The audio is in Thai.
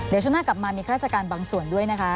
มีการราชการบางส่วนด้วยนะคะ